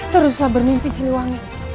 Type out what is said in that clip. teruslah bermimpi siliwangi